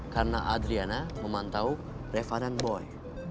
karena adriana memantau reva dan boy